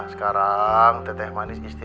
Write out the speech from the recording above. sekarang teh teh manis istri